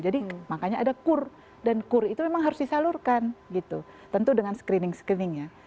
jadi makanya ada kur dan kur itu memang harus disalurkan gitu tentu dengan screening screeningnya